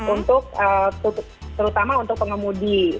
untuk terutama untuk pengemudi